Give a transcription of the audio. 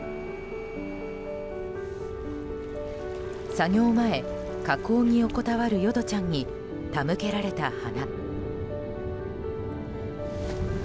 作業前、河口に横たわる淀ちゃんに手向けられた花。